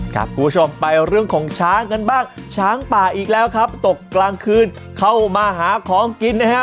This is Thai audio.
คุณผู้ชมไปเรื่องของช้างกันบ้างช้างป่าอีกแล้วครับตกกลางคืนเข้ามาหาของกินนะฮะ